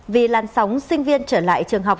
vì lan sóng sinh viên trở lại trường học